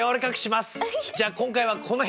じゃ今回はこの辺で！